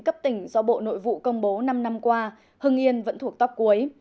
cấp tỉnh do bộ nội vụ công bố năm năm qua hưng yên vẫn thuộc tóp cuối